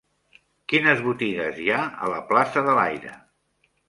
Quines botigues hi ha a la plaça de l'Aire?